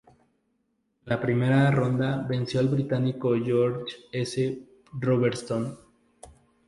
En la primera ronda venció al británico George S. Robertson.